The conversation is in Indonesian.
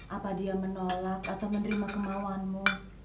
apa dia menolak atau menerima kemauanmu